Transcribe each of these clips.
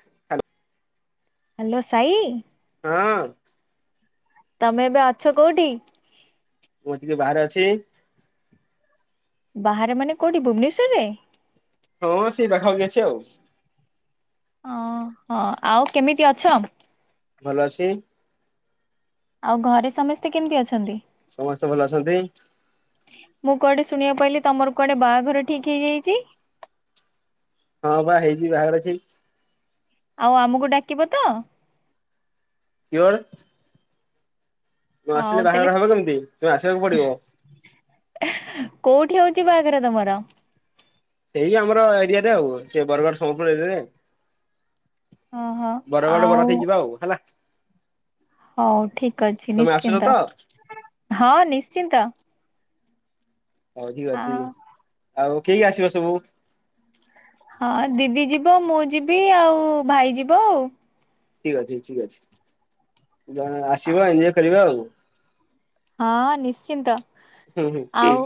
Hello. Hello Sai. ହୁଁ। ତମେ ଏବେ ଅଛ କୋଉଠି। ମୁ ଟିକେ ବାହାରେ ଅଛି। ବାହାରେ ମାନେ କୋଉଠି ଭୁବନେଶ୍ଵରରେ। ହଁ ସେଇ ପାଖପାଖି ଅଛି ଆଉ। ଅଁ ହଁ ଆଉ କେମିତି ଅଛ। ଭଲ ଅଛି। ଆଉ ଘରେ ସମସ୍ତେ କେମିତି ଅଛନ୍ତି। ସମସ୍ତେ ଭଲ ଅଛନ୍ତି। ମୁଁ କୁଆଡ଼େ ଶୁଣିବାକୁ ପାଇଲି ତମର କୁଆଡ଼େ ବାହାଘର ଠିକ୍ ହେଇଯାଇଛି? ହଁ ବା ହେଇଛି ବାହାଘର ଠିକ୍। ଆଉ ଆମୁକୁ ଡାକିବ ତ? ସିଓର୍। ନ ହଉ ଆସିଲେ ତାହେଲେ ବାହାଘର ହେବ କେମିତି? ତମେ ଆସିବାକୁ ପଡିବ। କୋଉଠି ହଉଛି ବାହାଘର ତମର? ସେଇ ଆମର ଏରିଆରେ ଆଉ। ସେ ବରଗଡ଼ ସମ୍ବଲପୁୁର ଏରିଆରେ। ଓହୋ ବରଗଡ଼ ଆଉ ବରା ଖାଇ ଯିବା ଆଉ ହେଲା। ହଉ ଠିକ୍ ଅଛି ତମେ ଆସୁଛ ତ ନିଶ୍ଚିନ୍ତ, ହଁ ନିଶ୍ଚିନ୍ତ। ହଉ ଠିକ୍ ଆ ଅଛି। ଆଉ କିଏ କିଏ ଆସିବ ସବୁ? ହଁ ଦିଦି ଯିବ, ମୁଁ ଯିବି ଆଉ ଭାଇ ଯିବ ଆଉ। ଠିକ୍ ଅଛି ଠିକ୍ ଅଛି। ଜଣେ ଆସିବ ଏଞ୍ଜୟ କରିବା ଆଉ। ହଁ ନିଶ୍ଚିନ୍ତ। ହୁଁ ହୁଁ। ଆଉ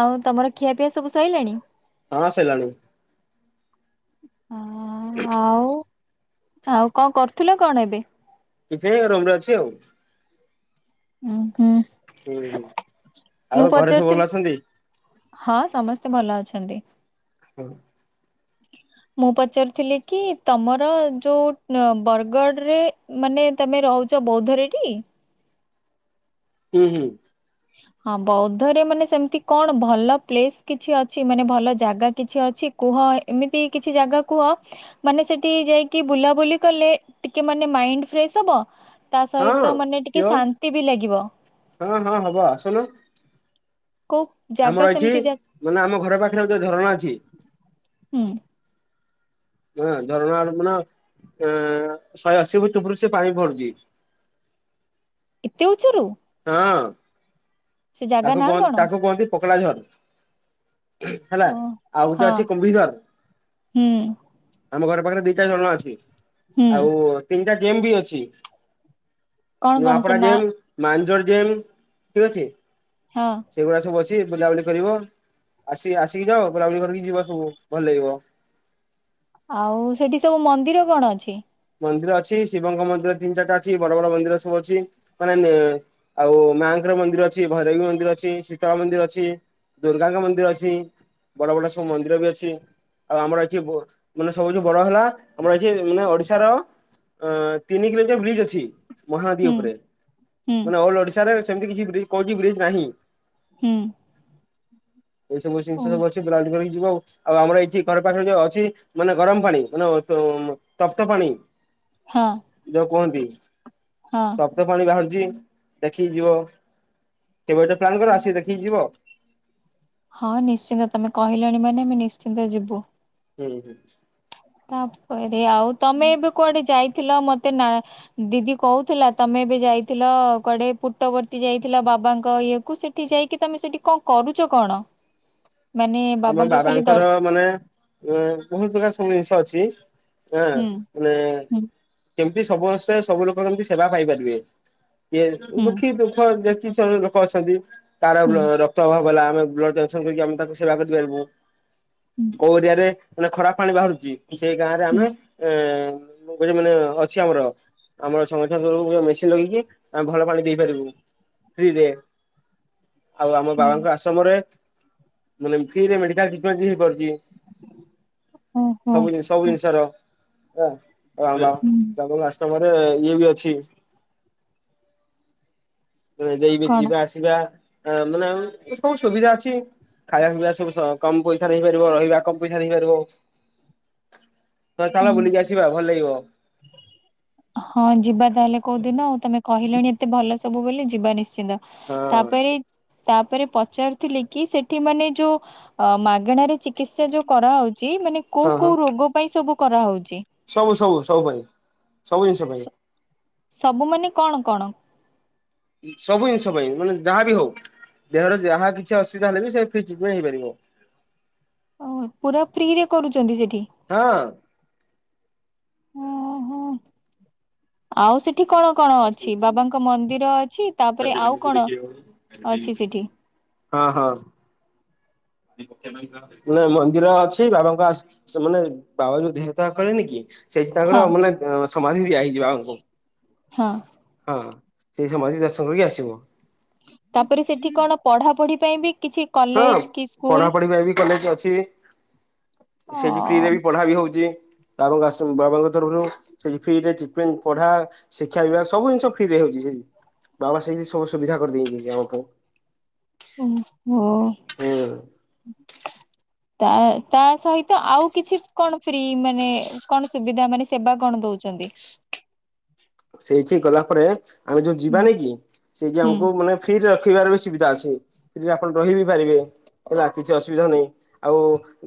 ଆଉ ତମର ଖିଆପିଆ ସବୁ ସଇଲାଣି? ହଁ ସଇଲାଣି। ହଁ ଆଉ, ଆଉ କଣ କରୁଥିଲ କଣ ଏବେ? କିଛି ନାଇଁ ରୁମ୍ ରେ ଅଛି ଆଉ। ଉଁ ହୁଁ। ହୁଁ ହୁଁ, ମୁଁ ଆଉ ଘରେ ସବୁ ପଚାରୁଥିଲି ଭଲ ଅଛନ୍ତି? ହଁ ସମସ୍ତେ ଭଲ ଅଛନ୍ତି। ହୁଁ। ମୁଁ ପଚାରୁଥିଲି କି ତମର ଯୋଉ ଉଁ ବରଗଡରେ ମାନେ ତମେ ରହୁଛ ବୌଦ୍ଧରେ ଟି? ହୁଁ ହୁଁ। ହଁ ବୌଦ୍ଧରେ ମାନେ ସେମିତି କଣ ଭଲ ପ୍ଲେସ କିଛି ଅଛି ମାନେ ଭଲ ଜାଗା କିଛି ଅଛି? କୁହ ଏମିତି କିଛି ଜାଗା କୁହ ମାନେ ସେଠି ଯାଇକି ବୁଲାବୁଲି କଲେ ଟିକେ ମାନେ ମାଇଣ୍ଡ ଫ୍ରେଶ୍ ହବ। ତା ହଁ ସହିତ ମାନେ ଟିକେ ସିଓର। ଶାନ୍ତି ବି ଲାଗିବ। ହଁ ହଁ ହବ ଆସୁନୁ। କୋଉ ଜାଗା ଆମର ଅଛି ସେମିତି ଜା ମାନେ ଆମ ଘର ପାଖରେ ଯୋଉ ଝରଣା ଅଛି। ହୁଁ। ହଁ ଝରଣା ର ମାନେ ଏ ଶହେ ଅଶି ଫୁଟ ଉପରୁ ସେ ପାଣି ପଡୁଛି। ଏତେ ଉଚାରୁ? ହଁ। ଜାଗା ତାକୁ ନାଁ [unintelligible] କଣ? ତାକୁ କୁହନ୍ତି ପୋକଡ଼ାଝର୍। ହେଲା ଓ ଆଉ ଗୋଟେ ହଁ। ଅଛି କୁମ୍ଭିଝଲ୍। ହୁଁ ଆମ ଘର ପାଖରେ ଦିଟା ଝରଣା ଅଛି। ହୁଁ ଆଉ ତିନିଟା ଡେମ୍ ବି ଅଛି। କଣ କଣ ସେ ନୂଆପଡା ନା ଜେମ୍, ମାନଝର୍ ଜେମ୍ ଠିକ୍ ଅଛି। ହଁ। ସେଇଗୁଡା ସବୁ ଅଛି ବୁଲାବୁଲି କରିବ। ଆସି ଆସିକି ଯାଓ ବୁଲାବୁଲି କରିକି ଯିବ ସବୁ ଭଲଲାଗିବ। ଆଉ ସେଠି ସବୁ ମନ୍ଦିର କଣ ଅଛି? ମନ୍ଦିର ଅଛି। ଶିବଙ୍କ ମନ୍ଦିର ତିନି ଚାରିଟା ଅଛି। ବଡ ବଡ ମନ୍ଦିର ସବୁ ଅଛି। ମାନେ ନେ ଆଉ ମାଆଙ୍କର ମନ୍ଦିର ଅଛି। ଭୈରବୀ ମନ୍ଦିର ଅଛି। ଶୀତଳା ମନ୍ଦିର ଅଛି। ଦୁର୍ଗାଙ୍କ ମନ୍ଦିର ଅଛି। ବଡ ବଡ ସବୁ ମନ୍ଦିର ବି ଅଛି। ଆଉ ଆମର ଆଜି ବୋ ମାନେ ସବୁଠୁ ବଡ ହେଲା ଆମର ଆଜି ଏ ମାନେ ଅଡି ଏଠାର ଅଁ ତିନି କିଲୋମିଟର୍ ବ୍ରିଜ୍ ଅଛି। ମହାନଦୀ ହୁଁ ଓପରେ ହୁଁ ମାନେ ଅଲ୍ ଓଡିଶାରେ ସେମିତି କିଛି ବ୍ରିଜ୍ କୌଣସି ବ୍ରିଜ୍ ନାହିଁ। ହୁଁ। ଏଇ ସବୁ ଓ ଜିନଷ ସବୁ ଅଛି ପ୍ଲାନ କରିକି ଯିବ ଆଉ। ଆଉ ଆମର ଏଇଠି ଘର ପାଖରେ ଯୋଉ ଅଛି ମାନେ ଗରମ୍ ପାଣି ମାନେ ଅ ତ ମ। ତ ପାଣି। ହଁ। ଯୋଉ କୁହନ୍ତି। ହଁ। ତପ୍ତପାଣି ବାହାରୁଚି ଦେଖିକି ଯିବ। କେବେ ଗୋଟେ ପ୍ଲାନ୍ କର ଆସି ଦେଖିକି ଯିବ। ହଁ ନିଶ୍ଚିନ୍ତ ତମେ କହିଲଣି ମାନେ ଆମେ ନିଶ୍ଚିନ୍ତ ଯିବୁ। ହୁଁ ହୁଁ। ତାପରେ ଆଉ ତମେ ଏବେ କୁଆଡେ ଯାଇଥିଲ ମତେ ନା। ଦିଦି କହୁଥିଲା ତମେ ଏବେ ଯାଇଥିଲ କୁଆଡେ ପୁଟବର୍ତ୍ତୀ ଯାଇଥିଲ ବାବାଙ୍କ ଇଏ କୁ ସେ ଠି ଯାଇକି ତମେ ସେଠି କଣ କରୁଚ କଣ? ମାନେ ଆମ ଖାଲି ଦ ବାବାଙ୍କର ମାନେ। ଏଁ ବହୁତ୍ ପ୍ରକାର୍ ସବୁ ଜିନଷ ଅଛି ଆଁ ହୁଁ ମାନେ। ହୁଁ କେମତି ସମସ୍ତେ ସବୁ ଲୋକ କେମିତି ସେବା ପାଇପାରିବେ। ଇଏ ହୁଁ ଦୁଃଖୀ ଦୁଃଖ ଯେକି ଜଣେ ଲୋକ ଅଛନ୍ତି ତାର ହୁଁ ର କ୍ତ ଅଭାବ ହେଲା ଆମେ ବ୍ଲଡ଼ଟେଷ୍ଟ କରିକି ଆମେ ତାକୁ ସେବା କରିପାରିବୁ ହୁଁ କୋଉ ଏରିଆରେ। ମାନେ ଖରାପ୍ ପାଣି ବାହାରୁଚି ସେ ଗାଁରେ ହୁଁ ଆମେ ଏଁ ଗୋଟେ ମାନେ ଅଛି ଆମର। ଆମର ସଂଗଠନ ତରଫରୁ ଗୋଟେ ମେସିନ୍ ଲଗେଇକି ଆମେ ଭଲ ପାଣି ପିଇପାରିବୁ ଫ୍ରି ରେ। ଆଉ ଆମ ହୁଁ ବାବାଙ୍କ ଆଶ୍ରମରେ। ମାନେ ଏମ୍ତିରେ ମେଡିକାଲ ଟ୍ରିଟମେଣ୍ଟ ବି ହେଇପାରୁଚି ଓହୋ ସବୁ ଜିନ ସବୁ ଜିନଷ ର ଆ ହୁଁ ତାଙ୍କ ଆଶ୍ରମରେ ଇଏ ବି ଅଛି। ଦେଇକି କଣ? ଯିବା ଆସିବା ମାନେ ଉଁ ସବୁ ସୁବିଧା ଅଛି। ଖାଇବା ପିଇବା ସବୁ ସ କମ୍ ପଇସାରେ ହେଇପାରିବ ରହିବା କମ୍ ପଇସାରେ ହେଇପାରିବ। । ହଉ ଚାଲ ବୁଲିକି ଆସିବା ଭଲ୍ ଲାଗିବ। [unintelligible] ହଁ ଯିବା ତାହେଲେ କୋଉଦିନ ତମେ କହିଲଣି ଏତେ ଭଲ ସବୁ ବୋଲି ଯିବା ନିଶ୍ଚିନ୍ତ। ହଁ ତାପରେ ତାପରେ ପଚାରୁଥିଲେ କି ସେଠି ମାନେ ଯୋଉ। ଅ ମାଗେଣାରେ ଚିକିତ୍ସା ଯୋଉ କରାହଉଚି ମାନେ କୋଉ ହଁ ହଁ କୋଉ ରୋଗ ପାଇଁ ସବୁ କରାହଉଚି। ସବୁ ସବୁ ସବୁ ପାଇଁ ସବୁ ଜିନଷ ପାଇଁ। ସବୁମାନେ କଣ କଣ? ଉଁ ସବୁ ଜିନଷ ପାଇଁ ମାନେ ଯାହାବି ହଉ। ଦେହର ଯାହା କିଛି ଅସୁବିଧା ହେଲେ ବି ସେ ଫ୍ରି ଟ୍ରିଟମେଣ୍ଟ ହେଇପାରିବ। ଓହୋ ପୁରା ଫ୍ରିରେ କରୁଚନ୍ତି ସେଠି? ହଁ ହଁ ଆଉ ସେଠି କଣ। କଣ ଅଛି ବାବାଙ୍କ ମନ୍ଦିର ଅଛି ତାପରେ ଆଉ କଣ ଅଛି ସେଠି? ହଁ ହଁ। ସେ ମୁଖ୍ୟ। [unintelligible] ମାନେ ମନ୍ଦିର ଅଛି ବାବାଙ୍କ ଆସ୍ ସେମାନେ ବାବା ଯୋଉ ଦେହତ୍ୟାଗ କଲେନି କି। ସେଇଠି ହଁ ତାଙ୍କର ମାନେ ଏଁ ସମାଧି ଦିଆ ହେଇଛି ବାବା ଙ୍କୁ। ହଁ ହଁ ସେଇ ସମାଧୀ ଦର୍ଶନ କରିକି ଆସିବ। ତାପରେ ସେଠି କଣ ପଢାପଢି ପାଇଁ ବି କିଛି। ହଁ କଲେଜ କି ସ୍କୁଲ ପଢାପଢି ପାଇଁ ବି କଲେଜ ଅଛି। ଅ ସେଠି ଫ୍ରି ରେ ବି ପଢା ବି ହଉଛି ବା ଆଶ୍ର ବାବାଙ୍କ ତରଫରୁ। ସେଠି ଫ୍ରିରେ ଜିପେନ୍ ପଢା ଶିକ୍ଷା ବିଭାଗ ସବୁ ଜିନିଷ ଫ୍ରିରେ ହଉଛି ସେଠି। ବାବା ସେଇଠି ସବୁ ସୁବିଧା କରିଦେଇ ଯାଇଛନ୍ତି ଆମପାଇଁ। ଓ ହୋ। ହୁଁ। ତା ତା ସହିତ ଆଉ କିଛି କଣ ଫ୍ରି ମାନେ। କଣ ସୁବିଧା ମାନେ ସେବା କଣ ଦଉଛନ୍ତି। ସେଇଠିକି ଗଲା ପରେ ଆମେ ଯୋଉ ହୁଁ ଯିବାନି କି ସେଇଠି ହୁଁ। ଆମକୁ ମାନେ। ଫ୍ରିରେ ରଖିବାର ବି ସୁବିଧା ଅଛି ଫ୍ରିରେ ଆପଣ ରହି ବିି ପାରିବେ ହେଲା କିଛି ଅସୁବିଧା ନାହିଁ। ଆଉ।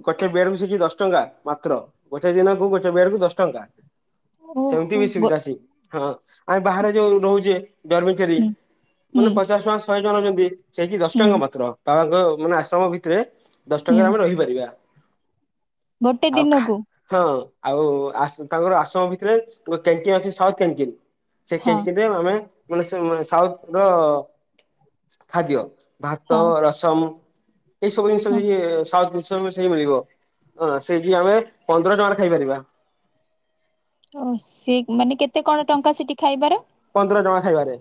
ଗୋଟେ ବେଡ କୁ ସେଠି ଦଶ ଟଙ୍କା ମାତ୍ର ଗୋଟେ ଦିନକୁ ଗୋଟେ ବେଡ କୁ ଦଶ ଟଙ୍କା। ସେମିତି ଓହୋ। ବି ଗୋ ସୁବିଧା ସି ହଁ ଆମେ ବାହାରେ ଯୋଉ ରହୁଛେ। ଧର୍ମେଚାରୀ ହୁଁ ହୁଁ ମାନେ ପଚାଶ ଟଙ୍କା ଶହେ ଟଙ୍କା ନେଉଛନ୍ତି ସେଇି ଟି ଦଶ ହୁଁ ଟଙ୍କା ମାତ୍ର। ବାବାଙ୍କ ମାନେ ଆଶ୍ରମ ଭିତରେ ଦଶ ହୁଁ ଟଙ୍କାରେ ଆମେ ରହିପାରିବା ଗୋଟେ ଆଉ ଖା ଦିନକୁ। ହଁ ଆଉ ଆଶ ତାଙ୍କର ଆଶ୍ରମ ଭିତରେ ଗୋଟେ କ୍ୟାଣ୍ଟିନ ଅଛି ସାଉଥ କ୍ୟାଣ୍ଟିନ। ସେ ହଁ କେଣ୍ଟିନ୍ ରେ ମାନେ ମାନେ ସେ ମାନେ ସାଉଥ୍ ର ଖାଦ୍ୟ। ଭାତ ହଁ। ରସମ ଏଇ ସବୁ ଜିନିଷ ହଁ ମିଳେ ସା ତମେ ସେଇ ମିଳିବ ସେଇଠି ଆମେ ପନ୍ଦର ଟଙ୍କା ର ଖାଇପାରିବା। ଓ ସେ ମାନେ କେତେ କଣ ଟଙ୍କା ସେଠି ଖାଇବାର। ପନ୍ଦର ଟଙ୍କା ଖାଇବାରେ।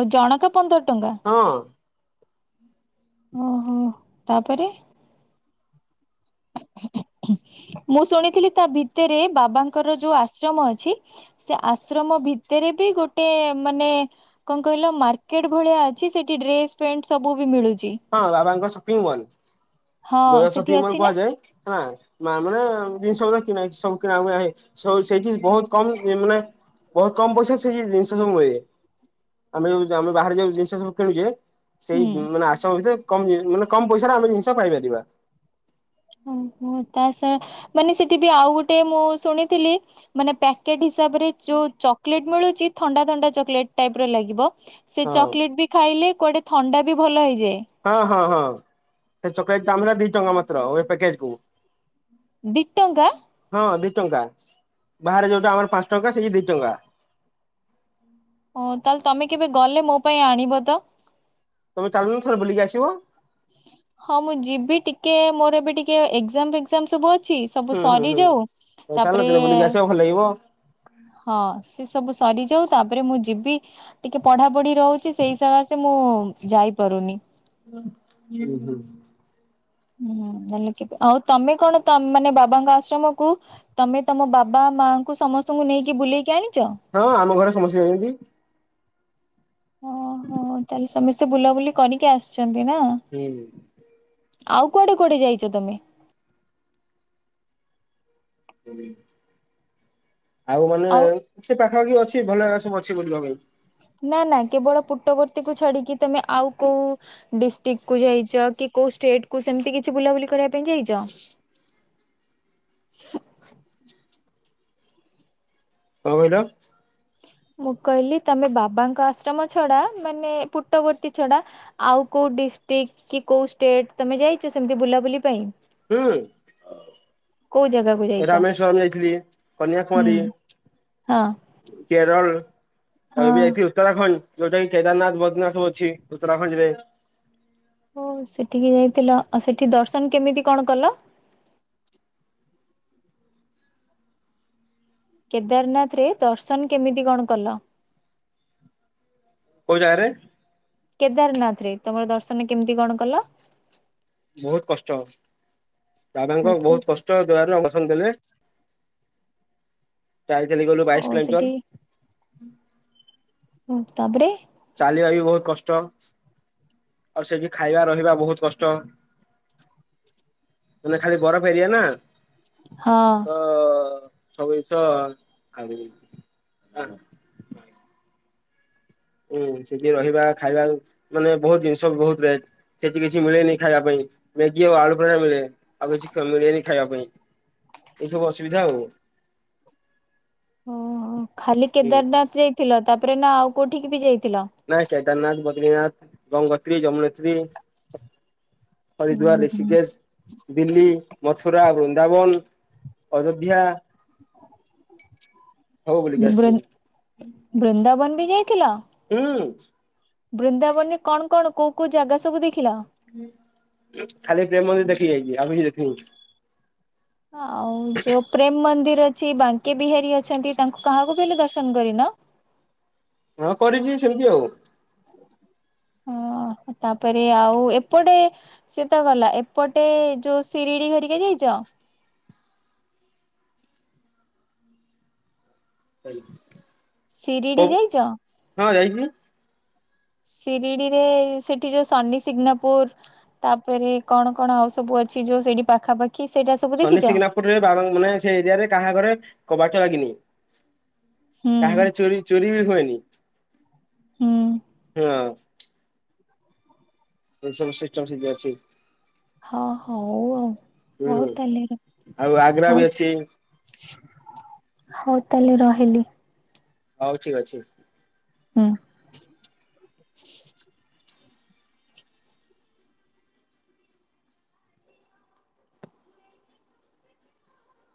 ଓ ଜଣକା ପନ୍ଦର ଟଙ୍କା। ହଁ। ଓହୋ ତାପରେ। ମୁଁ ଶୁଣିଥିଲି ତା ଭିତରେ ବାବାଙ୍କର ଯୋଉ ଆଶ୍ରମ ଅଛି। ସେ ଆଶ୍ରମ ଭିତରେ ବି ଗୋଟେ ମାନେ। କଁ କହିଲ ମାର୍କେଟ ଭଳିଆ ଅଛି ସେଠି ଡ୍ରେସ ପେଣ୍ଟ ସବୁ ବି ମିଳୁଛି। ହଁ ବାବାଙ୍କ ସପିଂ ମଲ ହଁ ଯୋଉ ଟା ସେଠି ସପିଂ ଅଛି ମଲ ନା? କୁହାଯାଏ। ହଁ ମା ମାନେ ଜିନିଷ ଗୁରା କିଣା ହେଇଚି ସବୁ କିଣାକୁଣା ହେ। ସବୁ ସେଇଠି ବହୁତ କମ୍ ମାନେ ବହୁତ କମ୍ ପଇସା ସେ ଜିନିଷ ସବୁ ମିଳେ। ଆମେ ଯୋଉ ଆମେ ବାହାରେ ଯୋଉ ଜିନିଷ ସବୁ କିଣୁଛେ। ସେଇ ହୁଁ ମାନେ ଆଶ୍ରମ ଭିତରେ କମ୍ ମାନେ କମ୍ ପଇସାରେ ଆମେ ଜିନିଷ ପାଇପାରିବା। ଉଁ ହୁଁ ତା ସହ ମାନେ ସେଠି ବି ଆଉ ଗୋଟେ ମୁଁ ଶୁଣିଥିଲି। ମାନେ ପ୍ୟାକେଟ୍ ହିସାବରେ। ଯୋଉ ଚକୋଲେଟ ମିଳୁଛି ଥଣ୍ଡା ଥଣ୍ଡା ଚକଲେଟ ଟାଇପ ର ଲାଗିବ ସେ ହଁ ଚକୋଲେଟ ବି। ଖାଇଲେ କୁଆଡେ ଥଣ୍ଡା ବି ଭଲ ହେଇଯାଏ। ହଁ ହଁ ହଁ ସେ ଚକଲେଟ ଦାମ ହେଲା ଦି ଟଙ୍କା ମାତ୍ର ଗୋଟେ ପ୍ୟାକେଟ କୁ। ଦି ଟଙ୍କା। ହଁ ଦି ଟଙ୍କା ବାହାରେ ଯୋଉଟା ଆମର ପାଞ୍ଚ ଟଙ୍କା ସେଇଠି ଦି ଟଙ୍କା। ଓ ତାହେଲେ ତମେ କେବେ ଗଲେ ମୋ ପାଇଁ ଆଣିବ ତ। ତମେ ଚାଲୁନ ଥରେ ବୁଲିକି ଆସିବ। ହଁ ମୁଁ ଯିବି ଟିକେ ମୋର ଏବେ ଟିକେ ଏକ୍ଜାମ ଫେକ୍ଜାମ ସବୁ ଅଛି। ଅଛି ସବୁ ହୁଁ ହୁଁ ସରି ଯାଉ ହୁଁ ଚାଲ ତାପରେ ଦିନେ ବୁଲିକି ଆସିବ ଭଲ ଲାଗିବ ହଁ ସେ ସବୁ ସରିଯାଉ ତାପରେ ମୁଁ ଯିବି। ଟିକେ ପଢା ପଢି ରହୁଛି ସେଇ ସକାଶେ ମୁଁ ଯାଇପାରୁନି। କିନ୍ତୁ। ହୁଁ ଭଲ କେବେ ଆଉ ତମେ କଣ ମାନେ ବାବାଙ୍କ ଆଶ୍ରମକୁ ତମେ ତମ ବାବା, ମାଙ୍କୁ ସମସ୍ତଙ୍କୁ ନେଇକି ବୁଲେଇକି ଆଣିଛ। ହଁ ଆମ ଘରେ ସମସ୍ତେ ଯାଇଛନ୍ତି। ହଁ [unintelligible] ତାହେଲେ ସମସ୍ତେ ବୁଲାବୁଲି କରିକି ଆସିଛନ୍ତି ନା। ହୁଁ ଆଉ କୁଆଡେ କୁଆଡେ ଯାଇଛ ତମେ। ଆଉ ମାନେ ସେ ପାଖାପାଖି ଅଛି ଭଲ ଲାଗା ସବୁ ଅଛି ବୁଲିବା ପାଇଁ। ନା ନା କେବଳ ପୁଟବର୍ତ୍ତୀକୁ ଛାଡିକି ତମେ ଆଉ କୋଉ ଡିଷ୍ଟିକ କୁ ଯାଇଛ କି କୋଉ ଷ୍ଟେଟ କୁ ସେମିତି କିଛି ବୁଲାବୁଲି କରିବା ପାଇଁ ଯାଇଛ। [inaudible] କଣ କହିଲ। ମୁଁ କହିଲି ତମେ ବାବାଙ୍କ ଆଶ୍ରମ ଛଡା ମାନେ ପୁଟବର୍ତ୍ତୀ ଛଡା ଆଉ କୋଉ ଡିଷ୍ଟିକ କି କୋଉ ଷ୍ଟେଟ ତମେ ଯାଇଛ ସେମତି ବୁଲାବୁଲି ପାଇଁ। ହୁଁ। କୋଉ ଜାଗାକୁ ଯାଇଛ? ରାମେଶ୍ଵରମ ଯାଇଥିଲି ହୁଁ। କନ୍ୟାକୁମାରୀ ହଁ କେରଳ ହଁ ଆଉ ଏବେ ଯାଇଥିବ। ଉତ୍ତରାଖଣ୍ଡ ଯୋଉଟା କି କେଦାରନାଥ, ବଦ୍ରିନାଥ ସବୁ ଅଛି ଉତ୍ତରାଖଣ୍ଡ ରେ। ଓହୋ ସେଠିକି ଯାଇଥିଲ ଆଉ ସେଠି ଦର୍ଶନ କେମିତି କଣ କଲ। କେଦାରନାଥ ରେ ଦର୍ଶନ କେମିତି କଣ କଲ। କୋଉ ଜାଗାରେ। କେଦାରନାଥ ରେ ତମର ଦର୍ଶନ କେମିତି କଣ କଲ। ବହୁତ କଷ୍ଟ ହଉଛି ବାବାଙ୍କ ବହୁତ କଷ୍ଟ ଦୁଆରେ ଅସନ ଦେଲେ। ଚାଲି ଚାଲି ଗଲୁ। ବାଇଶ ଓ କିଲୋମିଟର ସେଠି ତାପରେ। ଚାଲିବା ବି ବହୁତ କଷ୍ଟ। ଆଉ ସେଠି ଖାଇବା ରହିବା ବହୁତ କଷ୍ଟ। ମାନେ ଖାଲି ବରଫ ଏରିଆ ନା। ହଁ। ତ ସବୁ ଜିନିଷ ଆଣିଦେବି। ହୁଁ ସେଠି ରହିବା, ଖାଇବା ମାନେ ବହୁତ ଜିନିଷ ବହୁତ ରେଟ୍। ସେଠି କିଛି ମିଳେନି ଖାଇବା ପାଇଁ ମ୍ୟାଗି ଆଉ ଆଳୁ ଫେଣା ମିଳେ। ଆଉ କିଛି ମିଳେନି ଖାଇବା ପାଇଁ। ଏଇ ସବୁ ଅସୁବିଧା ଆଉ। ଓହୋ ଖାଲି ହୁଁ। କେଦାରନାଥ ଯାଇଥିଲ। ତାପରେ ନା ଆଉ କୋଉଠିକି ବି ଯାଇଥିଲ। ନାଇଁ କେଦାରନାଥ, ବଦ୍ରୀନାଥ, ଗଙ୍ଗୋତ୍ରୀ, ଯମୁନେତ୍ରୀ। ହରିଦ୍ବାର ହୁଁ ହୁଁ ଏରେସିିକେଜ। ଦିଲ୍ଲୀ, ମଥୁରା, ବୃନ୍ଦାବନ, ଅଯୋଧ୍ୟା। ସବୁ ବୁଲିକି ଆସିଛି। ବୃନ୍ଦାବନ ବି ଯାଇଥିଲ। ହୁଁ। ବୃନ୍ଦାବନ କଣ କଣ କୋଉ କୋଉ ଜାଗା ସବୁ ଦେଖିଲ। ଖାଲି ପ୍ରେମ ମନ୍ଦିର ଦେଖି ଯାଇଛି ଆଉ କିଛି ଦେଖିନି। ଆଉ ଯୋଉ ପ୍ରେମ ମନ୍ଦିର ଅଛି, ବାଙ୍କେ ବିହାରୀ ଅଛନ୍ତି ତାଙ୍କୁ କାହାକୁ ବି ହେଲେ ଦର୍ଶନ କରିନ? ହଁ କରିଛି ସେମିତି ଆଉ। ହଁ ତାପରେ ଆଉ ଏପଟେ ସେ ତ ଗଲା ଏପଟେ ଯୋଉ ଶିରିଡି ହରିକା ଯାଇଛ? [inaudible] ଶିରିଡି ଯାଇଛ? ହଁ ଯାଇଛି। ଶିରିଡ଼ିରେ ସେଠି ଯୋଉ ସନିସିଗ୍ନାପୁର ତାପରେ କଣ କଣ ଆଉ ସବୁ ଅଛି ଯୋଉ ସେଇଠି ପାଖାପାଖି କି ସେଇଟା ସ ସନିସିଗ୍ନାପୁରରେ [unintelligible] ମାନେ ସେ ଏରିଆରେ କାହା ଘରେ କବାଟ ଲାଗିନି। ହୁଁ କାହା ଘରେ ଚୋରି ଚୋରି ବି ହୁଏନି। ହୁଁ ହଁ। ଏଇ ସବୁ ସିଷ୍ଟମ ସେଇଠି ଅଛି। ହଁ ହଉ ଆଉ। ହୁଁ ହଉ ତାହେଲେ ର ଆଉ ଆଗ୍ରା ହଉ। ବି ଅଛି ହଉ ତାହେଲେ ରହିଲି। ହଉ ଠିକ ଅଛି। ହୁଁ।